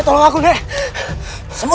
kenapa bikin tersentuh